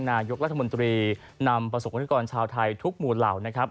นายกรัฐมนตรีนำประสบกรณิกรชาวไทยทุกหมู่เหล่านะครับ